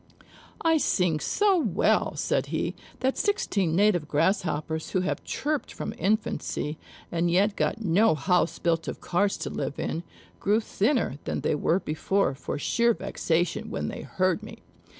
"I sing so well," said he, "that sixteen native grasshoppers who have chirped from infancy, and yet got no house built of cards to live in, grew thinner than they were before for sheer vexation when they heard me."